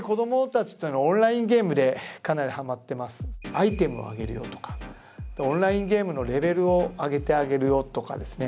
「アイテムをあげるよ」とか「オンラインゲームのレベルを上げてあげるよ」とかですね